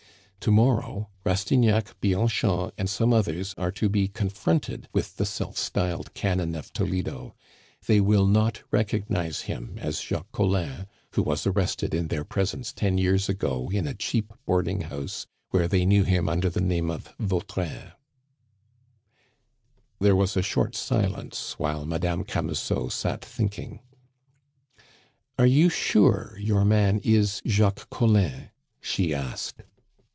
"To morrow, Rastignac, Bianchon, and some others are to be confronted with the self styled Canon of Toledo; they will not recognize him as Jacques Collin who was arrested in their presence ten years ago in a cheap boarding house, where they knew him under the name of Vautrin." There was a short silence, while Madame Camusot sat thinking. "Are you sure your man is Jacques Collin?" she asked.